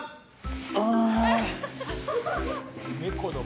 ああ。